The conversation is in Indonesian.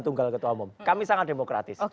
tunggal ketua umum kami sangat demokratis